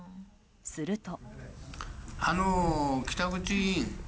すると。